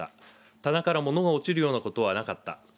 棚から物が落ちるようなことはなかった。